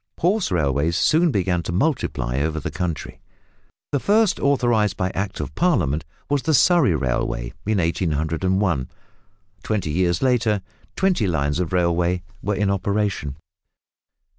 Horse railways soon began to multiply over the country. The first authorised by Act of Parliament was the Surrey Railway in 1801. Twenty years later twenty lines of railway were in operation.